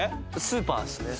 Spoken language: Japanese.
スーパーですね。